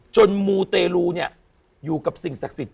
จนมูเตรูอยู่กับสิ่งศักดิ์สิทธิ์